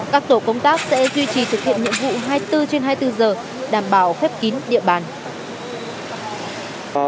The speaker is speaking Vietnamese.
các tổ công tác sẽ duy trì thực hiện nhiệm vụ hai mươi bốn trên hai mươi bốn giờ đảm bảo khép kín địa bàn